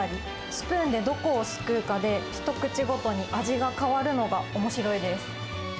スプーンでどこをすくうかで、一口ごとに味が変わるのがおもしろいです。